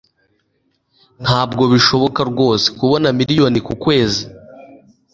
Ntabwo bishoboka rwose kubona miliyoni ku kwezi